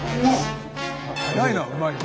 早いな「うまい」が。